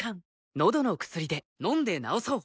のどの薬で飲んで治そう。